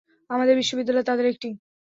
আমাদের বিশ্ববিদ্যালয় তাদের একটি।